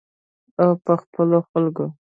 او په خپلو خلکو.